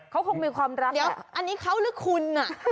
เขาคงมีความรักอันนี้เขาหรือคุณ